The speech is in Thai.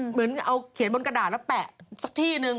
เหมือนเอาเขียนบนกระดาษแล้วแปะสักที่นึง